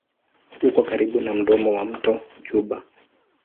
Uko karibu na mdomo wa mto Juba.